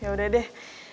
ya udah deh